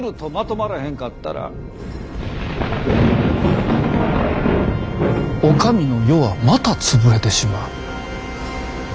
へんかったらお上の世はまた潰れてしまう。